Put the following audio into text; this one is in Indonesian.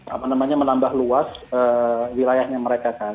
apa namanya menambah luas wilayahnya mereka kan